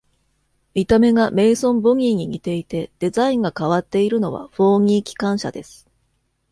見た目がメイソン・ボギーに似ていて、デザインが変わっているのはフォーニー機関車です。